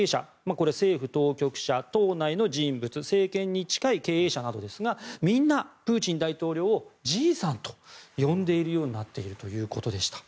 これは政府当局者、党内の人物政権に近い経営者などですがみんなプーチン大統領を爺さんと呼んでいるようになっているということでした。